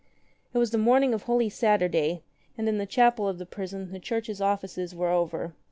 It was the morning of Holy Saturday, and in the chapel of the prison the Church's offices were over.